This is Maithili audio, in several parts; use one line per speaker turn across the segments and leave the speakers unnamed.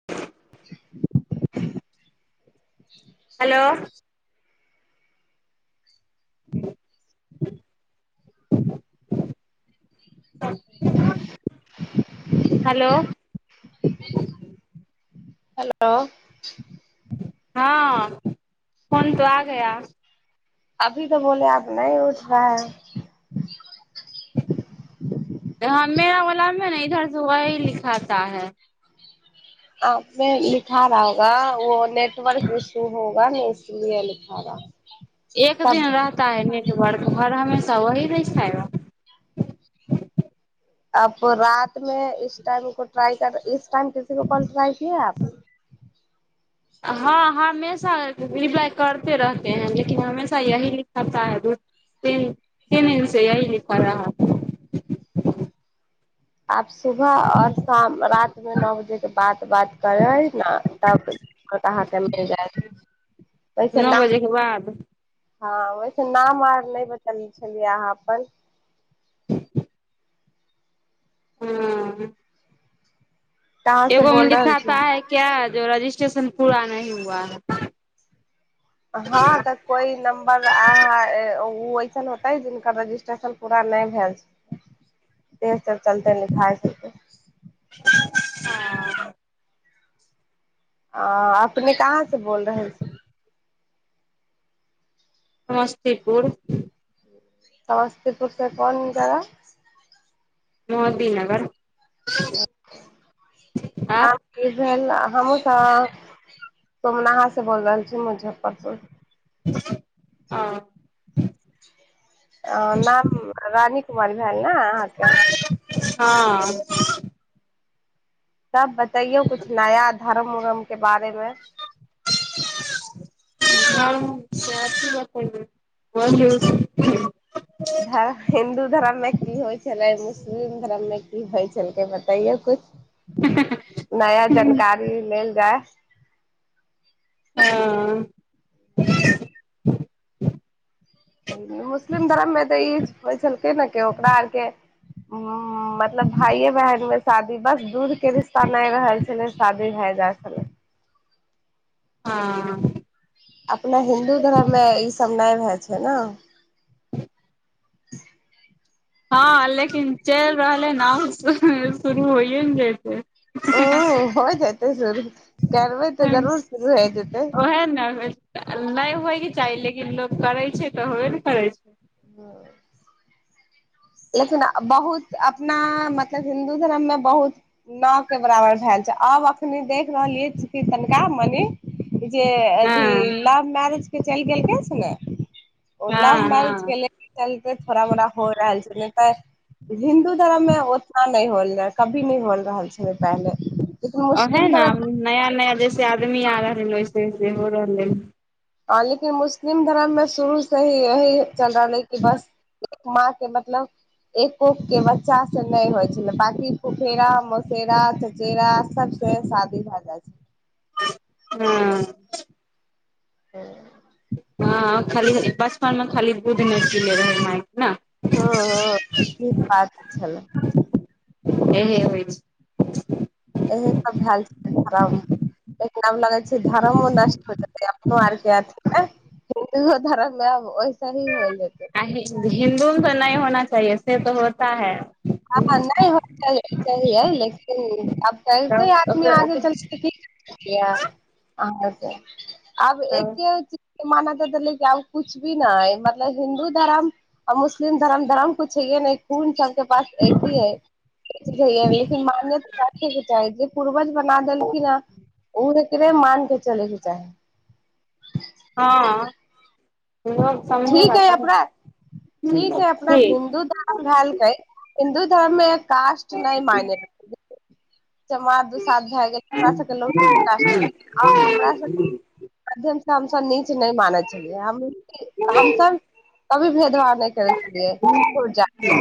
[inaudible]
हेलो [unintelligible] [unintelligible] हेलो
हेलो
हँ फोन तो आ गया
अभी तऽ बोले आब नहि उठ रहा है
ह मेरा वला मे ना इधर से वही लिखाता है
आ ने लिखा रहा होगा ओ ने नटर्क इशू होगा ने इसलि लिखा रहा
एक दिन
तब
रहता है नेटवर्क हर [unintelligible]
आपको रात मे इस टाइम भि ट्राई कर इस टाइम किसी को कॉल ट्राय किये आप
हँ हमे रिप्लाइ करते रहते हैं लेकिन हमेशा यही लिखाता है तीन तीन दिन से यही लिख रहा
आप सुबह आओर शाम रात मे नौ बजे के बाद बात करबै न तब दिक्कत आहाँ के [unintelligible]
नओ बजेके बाद
हँ वैसे नाम आर नहि बतलने छलियै अहाँ अपन
ह्म्म
कहाँ से
एगो मे
बोल रहल छी
लिखाताा है क्य जो रजिस्ट्रे टेशन पूरा नहि हुआ है
हँ तऽ कोइ नम्बर आ ओ ऐसन होतै जिनकर रजिस्ट्रेशन पूरा नहि भेलै छै ते चलते लिखाइै
ओ
आ अपने कहाँ से बोल रहल छी
समस्तीपुर
तब समस्तीपुर सँ कोन जगह
मोहदी नगर
आप किधर हमहू त सोमनाहा से बोल रहल छी मुजफ्फरपुर
हँ
अ नाम रानी कुमारी भेल नहि अहाँके
हँ
तब बतैयो कुछ नया धर्म उरम के बाद तय लेल
[unintelligible]
धम हिन्दू धर्म मे की होइ छलै मुस्लिम धर्म मे की होइ छलै बतैयो कुछ नया जानकारी लेल जाय
हँ
मुस्लिम धर्ममे तऽ ई होइ छलकै ने के ओकरा आरके ह्म्म मतलब भाइए बहन मे शादी बस दूध के रिश्ता नहि रहल छलै शादी भए जाइ छलै
हँ
अपना हिन्दू धर्ममे ईसभ नहि होए छै ने
हँ लेकिन चलि रहल ह ना शुरू होइए ने जेतय
ह हो जते शुरू करबै तऽ जरूर शुरू हो जेतै
ओहे ने नहि होयके चाही लेकिन लोको करै छै त होबे ने करै छै
ह लेकिन बहुत अपना मतलब हिन्दू धर्ममे बहुत न। के बराबर भेल छै आब अखनि देख रहलियै कि तनिका मनि ई जे अथी
हँ
लव मैरेज चलि गेलकै छनै ओ लव
हँ
मैरज के
हँ
के चलते थोड़ा मोड़ा हो रहल छै नहि तऽ हिन्दू धर्ममे उतना नहि होल कभी नहि होल रहल छल पहिले
ओहै
मुस्लिम
न
धर्म
नया नया जैसे आदमी आ रहल ह वैसे सेहो रहले [inaudible]
हँ लेकिन मुस्लिम धर्ममे शुरूसँ ही यही चल रहलै कि बस माँ के मतलब एक कोंख के बच्चास से नहि होइ छलै बाँकि फुफेरा मोसेरा चचेरा सबसँ शादी भए जाइ छल
हँ
[inaudible]
हँ खाली बचपन में खाली दुध नै पिनै रहे माय के
हँ हँ निक बात छलै
एहे होइ छै
इह सब भेल छै धर्म लेकिन आब लगै छै धर्मो नष्ट हो जेै अपनो आरके अथी मे हिन्दु धरम मे सही होइल जेतै
हिन्दू मे नहि होना चाहिए से तँ होता है
तइलै लेकिन अब कहते आदमी आगे
तब
चलकै [unintelligible] आहाँ बताउ आब एके उचि मानअ के त आब कुछ भी नहि ह मतलब हिन्दू धर्म आ मुस्लिम धर्म धरम कुछ छैहै ने कोून सब के पास एक ही है लेकिन मान्यता राखेके चाही जे पूर्वज बना देलखिन है ओ एकरे मान के चलैके चाही
हँ लोग
ठीक
समझेगा
है
तब
अपना ठीक है अपना
ठीक
हिन्दू धर्म भेलकै हिन्दू धर्म में कासट नहि मने चमार दुसाध भए गेल ऐकरा सबके हमरा सबके [unintelligible] हमस नीच नहि मानै छलियै हम हमसब कभी भेदभाव नहि करै छलियै ओ जा छै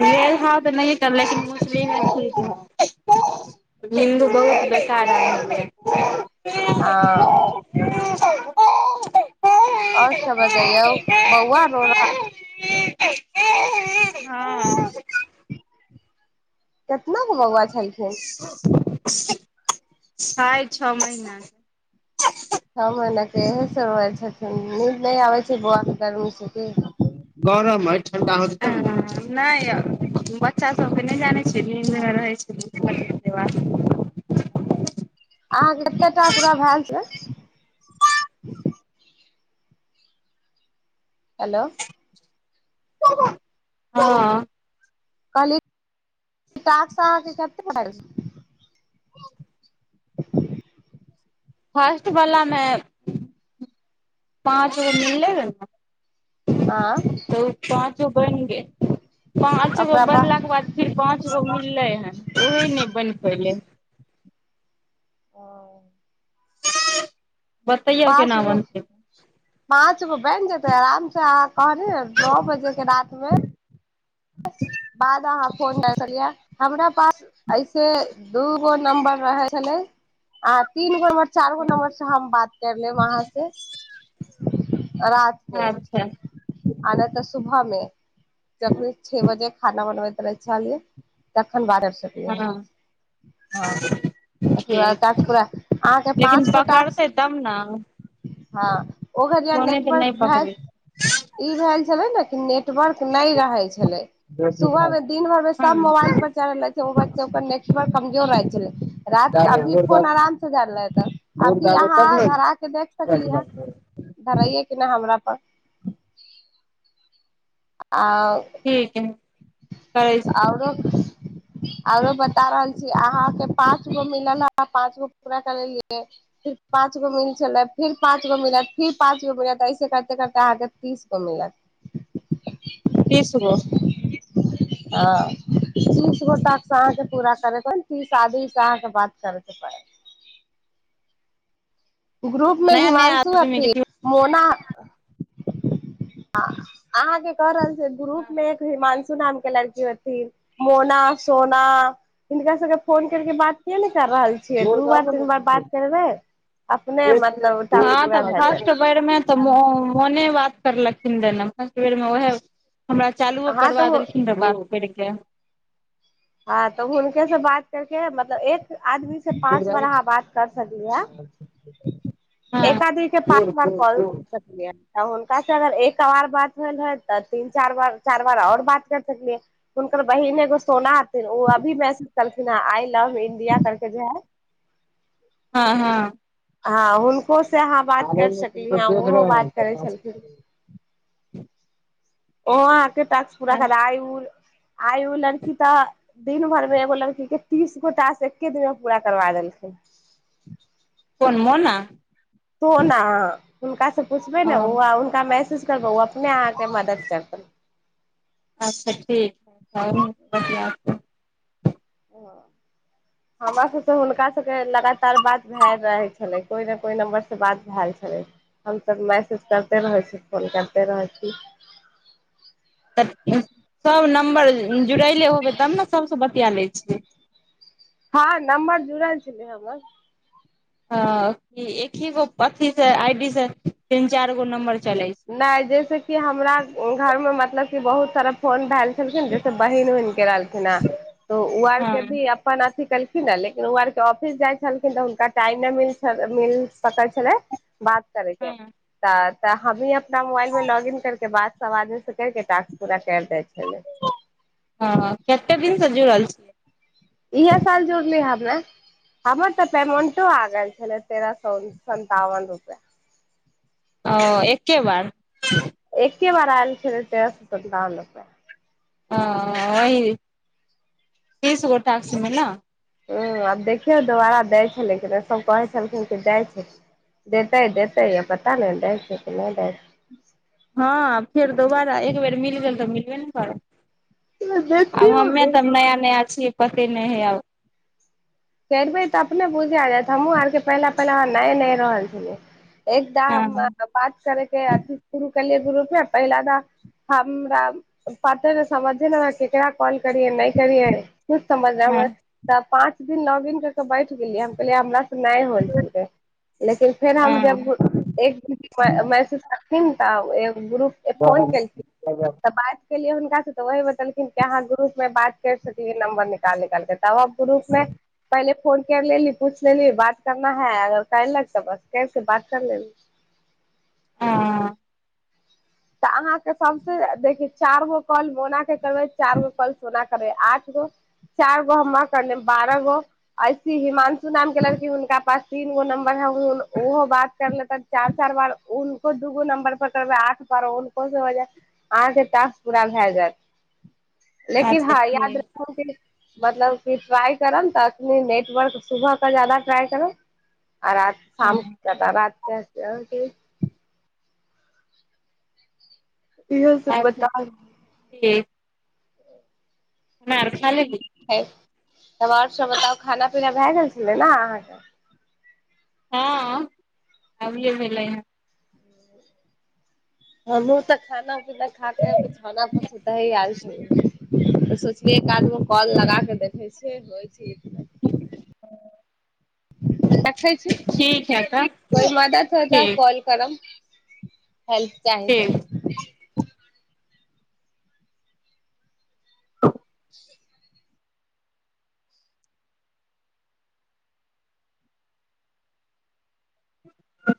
भेद भाव तऽ नहि कहव लेकिन मुस्लिम मे छूत हेतय हिन्दू बहुत बेकार आदमी ए
हँ आओर सब बताइयो बौआ रो रहा है
[unintelligible] हँ
त नग बौआ छलखिन
छै छओ महीनाके
येह सब होय छथिन नींद नय आबय बहुत गर्मी छै कि
गरम अइ नहि बच्चा सभके नहि जानै छै न नींद नहि होय छै
अहाँके एतेक टा पूरा भेल छै हेलो
हँ
कहली हिसाब से अहाँ के कते भेल छै
आ फर्स्टवलामे पाँच गो मिलले रहै
हँ
नए तऽ उ पाँच बनि गेल पाँच गो बनलाके बाद फिर पाँच गो मिललै हन ओही नहि बनि पयलै ह
हां
बतैयौ केना
गो
बनतै
पाँच गो भए न जेतय आराम से आ कहली नओ बजे के रातिमे
[inaudible]
बाद अहाँ फोन कर छलियै हमरा पास ऐसे दू गो नम्बर रहे छले अहाँ तीन गो नम्बर चार गो नंबर से हम बात करि लेब अहाँ से आओर रात के
अच्छा
आधा त सुबहमे जखनि छओ बजे रहैत रहल छलिए तखनि मारय छलिए
हँ ठीक
अहाँ के
लेकिन
पाँच गो टास्क
पकड़तै तब ने
हँ ओकर जे
फोने तऽ
नेटवर्क
नहि पकड़ै
ई भेल छलै ने नेटवर्क नहि रहै छलै सुबह
छै
मे दिन भर मे सब
हँ
मोबाइल पर चढ़ रहले छै बचकर नेटवर्क कमजोर रह छले रात के
दाबो
अभी
गोर
फोन
दाबो
आराम से जाे ह त
गोर
अभी
दाबो तब
अहाँ धरा के देख सकली ह
ने
धराे के न हमरा पर
ठीक है करै
आउरो आरो बता रहल छी अहाँके पाँच गो मिलल ह पाँच गो पूरा करियै फिर पाँच गो मिल छलै फिर पाँच गो मिलत फिर पाँच गो मिलत ऐसे करते करते अहाँके तीस गो मिलत
तिस गो
ह तीस गो त अहाँके पूरा करैके तीस आदमी से अहाँके बात करैके पड़ ग्रुप मे
नया नया
हिमानशु
आदमी के
अथि मोना [unintelligible] अहाँ के द रहल छै ग्रुप में एक हिमांश हिमांशी नाम के लड़की रहथिन मोना सोना हिनका सबके फोन करके बात क क कर रहल छियै दू बार तीन बार बात करबै अपने मतलब
[unintelligible] हँ
टास्क पूरा
तऽ
भए जायत
फर्स्ट बेरमे तऽ मोने बात करलखिन फस्ट बेर मे ओहे हमरा चालुओ
अहाँ
करबा
तऽ
देलखिन बात करिकऽ
हँ तऽ हुनके से बात करके मतलब एक आदमी से पाँच बार अहाँ बात कर सकी है
हँ
एक आदमी के पाँच बार कॉल कर सकलियै तऽ हुनका से अगर एक बार बात होल हौत तऽ तीन चार बार चार बार आओर बात कर सकलियै हुनकर बहिन एगो सोना फेर ओ अभी मैसेज कलखिन है आई लव इं्डिया करके जे है
हँ हँ
हँ हुनक से अहाँ बात कर सकली है ओहो बात करै छलखिन ओ आहाँ के टास्क पूरा करा आइ उ आइ ओ लड़की तऽ दिन भर मे एगो लड़की के तीस गोटा सँ एके दिन मे पूरा करबा देलखिन
कोन मोना
तो ने अहाँ हुनका सब पुछबै
ओ
ने ह हुनका मैहसूज करबौ अपने अहाँके मदद करतौ
अच्छा ठीक ह [unintelligible]
ह हमरा सभ हुनका सभके लगातार बात भए रह छलै कोइ ने कोइ नम्बरसँ बात भए छलै हमसभ मैसेज करते रहै छी फोन करते रहै छी
सब न नम्बर जुड़ैले होबे तब ने सबस बतिया ले [unintelligible]
हँ नम्बर जुड़ल छलै हमर
ह एक ही गो अथि से आइ डी से तीन चार गो नं्बर
नहि जैस कि हमरा घरमे मतलब बहुत तरह फोन भेल खिन जैसे बहिन बहिन के रहलखिन ह तो ओ आर के
हँ
भी अपन केलखिन लेकिन ओ आरके ऑफिस जाइ छलखिन तऽ हुनका टाइम नहि म मिल सकल छलै बात करके
हँ
त हमी अपना मोबाइलमे लॉग इिन करके बाद सब आदमीसँ करके टास्क पूरा करि दै छी
ह कतेक दिनसँ जुड़ रहल छियै
इहे साल जुड़ली हमे हमर तऽ पेमेंटो आ गेल छलै तेरह सए सतावन रुपआ
ओ एके बार
एके बार आयल छलै तेरह सौ सन्तावन रुपया
ओ ओही तीस गो टास्क मे ना
ह्म आब देखियौ दोबारा दै छलखिन सभ कहै छलखिन कि दै छै देतै देतै आ पता नहि दै छै कि नहि दै छै
हँ फेर दोबारा एक बेर मिल गेल तऽ मिलबे ने करत
छै
आब
देखियौ
हमे
ने।
सब नया नया छियै पते नहि हइ आब
करबै तऽ अपने बुझा जायत हमहूँ आरके पहिले पहिले न न रहल छल एकद हम
हँ
बात करेके अथि [unintelligible] करियै नहि करियै कुछ समझ
हँ
ने त पाँच एक दिन लॉग इिन कर केऽ बैठ गेलियै हम कहिले हमरा नहि होल छलै लेकिन फेर हम
हँ
जब एक दिन मेसेज खिन त आब ग्रुप के फोन केलखिन तऽ बात पुछलिय हुनका से तऽ वह बतेलखिन कि अहाँ ग्रुप मे बात कर सकै नं्बर निकाल निकाल तव हम ग्रुप मे पहिले फोन कर लेली पूछ लेली बात करना है अगर करलक तऽ बस करके बात कर लेली
हँ
तऽ अहाँके सबसँ देखि चार गो कॉल मोना के करबै चार गे कॉल पूरा करे आठ गो चार गो हमरा कर ले बारह गो ऐसी हिमांश हिमांशु नाम के लड़की हुनका पास तीन गो नम्बर है ओहो बात कर लेता चार चार बार उको दूगो नम्बर पर करबै आठ एकबार हुनको से भ जैत अहाँके तक पूरा भए जायत लेकिन
अच्छा
हँ याद
ठीक
रखब की मतलब कि ट्राइ करब तऽ अखनी नेटवर्क सुबह के जााद ट्राइ करब आ रात
हँ
शाम तकर बाद [unintelligible] इहो सब
अच्छा
बताउ
मार खा लेलही
है। तब आओर सभ बताउ खाना पीना भए गेल छलै ने अहाँके
हँ अभियै भेलै हँ
हमहू त खान पीना खा क बिछौना पर सूतही आल छली तऽ सोचलियै एक आदमी के कॉल लगा क देखैत छियै होइ छै की नै
[inaudible]
रखै छी
ठीक है तऽ
कोइ मदद हो तऽ
ठीक
कॉल करब हेल्प चाही त
[inaudible]